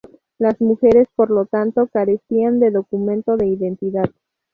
Las mujeres por lo tanto carecían de documento de identidad.